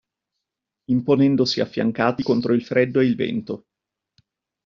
Imponendosi affiancati contro il freddo e il vento.